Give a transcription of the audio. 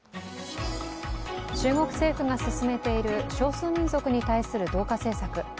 中国政府が進めている少数民族に対する同化政策。